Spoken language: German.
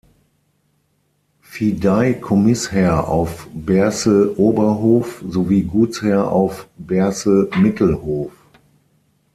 Fideikommissherr auf Berßel-Oberhof sowie Gutsherr auf Berßel-Mittelhof.